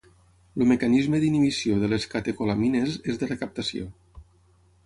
El mecanisme d'inhibició de les catecolamines és de recaptació.